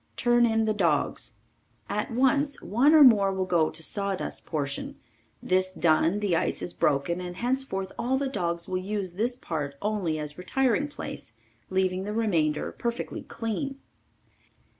Turn in the dogs. At once one or more will go to sawdust portion, this done the ice is broken and henceforth all the dogs will use this part only as retiring place, leaving the remainder perfectly clean.